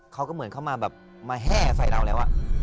เขาก็เหมือนเข้ามาแบบมาแห้ใส่เราแล้ว